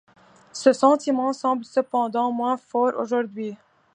Ce sentiment semble cependant moins fort aujourd'hui.